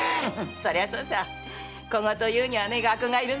そりゃそうさ小言を言うには学がいるんだよ。